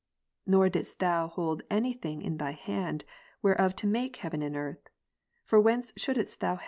Nor didst Thou hold any thing in Thy hand, whereof to make heaven and earth. For whence shouldest Thou have ^ See b.